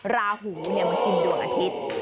ราหูมันกินดวงอาทิตย์